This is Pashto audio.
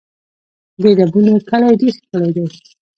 د ډبونو کلی ډېر ښکلی دی